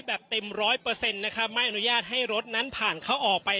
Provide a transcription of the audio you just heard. แบบเต็มร้อยเปอร์เซ็นต์นะคะไม่อนุญาตให้รถนั้นผ่านเขาออกไป